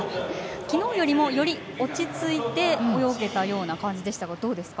昨日よりもより落ち着いて泳げたような感じでしたがどうですか？